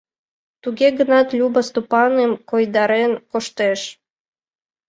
Туге гынат Люба Стопаным койдарен коштеш.